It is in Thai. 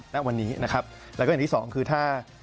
และอย่างที่สองคือถ้า